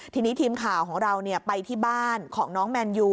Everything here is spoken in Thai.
ทีนี้ทีมข่าวของเราไปที่บ้านของน้องแมนยู